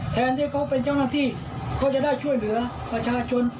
แทนที่เขาเป็นเจ้าหน้าที่เขาจะได้ช่วยเหลือประชาชน